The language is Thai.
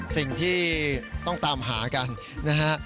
สิ่งที่ต้องตามหากันนะฮะ